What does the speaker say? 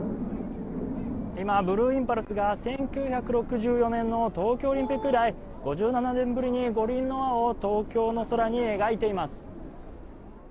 今、ブルーインパルスが１９６４年の東京オリンピック依頼、５７年ぶりに五輪の輪を東京の空に描いています。